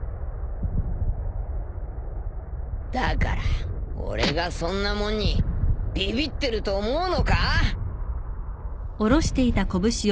だから俺がそんなもんにビビってると思うのか？